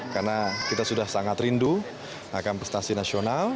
karena kita sudah sangat rindu akan prestasi nasional